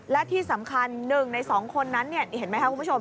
และที่สำคัญ๑ใน๒คนนั้นนี่เห็นไหมครับคุณผู้ชม